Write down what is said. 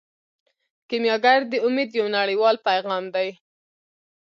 کیمیاګر د امید یو نړیوال پیغام دی.